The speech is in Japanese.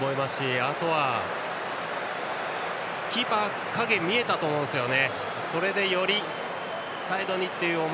あとはキーパー、影見えたと思うんですよね。